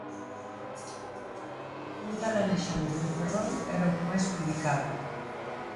Un tal Alexandre, de Ferrol, era o que mais predicaba.